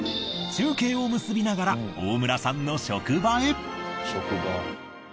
中継を結びながら大村さんの職場へ。